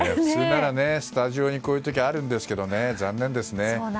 普通ならスタジオにこういう時あるんですけど残念ですね。